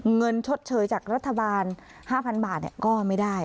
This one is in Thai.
ชดเชยจากรัฐบาล๕๐๐๐บาทก็ไม่ได้